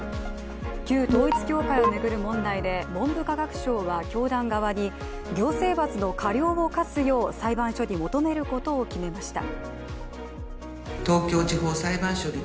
旧統一教会を巡る問題で文部科学省は教団側に行政罰の過料を科すよう裁判所に求めることを決めました。